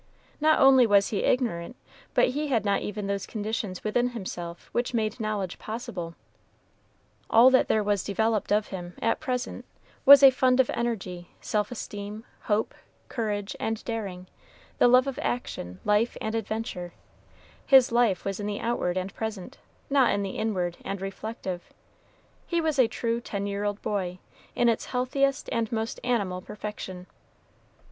Not only was he ignorant, but he had not even those conditions within himself which made knowledge possible. All that there was developed of him, at present, was a fund of energy, self esteem, hope, courage, and daring, the love of action, life, and adventure; his life was in the outward and present, not in the inward and reflective; he was a true ten year old boy, in its healthiest and most animal perfection.